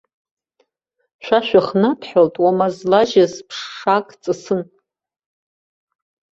Шәа шәыхнаҭәҳәалт уама злажьыз ԥшак ҵысын.